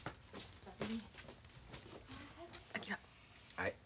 はい。